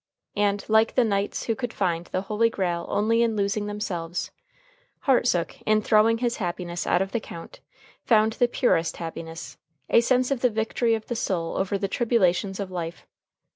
And, like the knights who could find the Holy Grail only in losing themselves, Hartsook, in throwing his happiness out of the count, found the purest happiness, a sense of the victory of the soul over the tribulations of life.